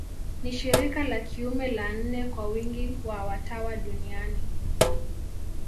Ni shirika la kiume la nne kwa wingi wa watawa duniani.